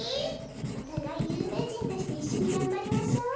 おたがいゆうめいじんとしていっしょにがんばりましょう。